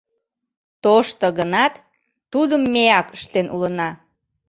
Тошто гынат, тудым меак ыштен улына.